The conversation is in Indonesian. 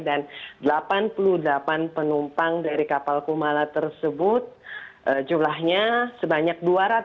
dan delapan puluh delapan penumpang dari kapal kumala tersebut jumlahnya sebanyak dua ratus tiga puluh